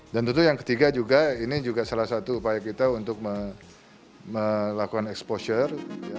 dan tentu yang ketiga juga ini juga salah satu upaya kita untuk melakukan exposure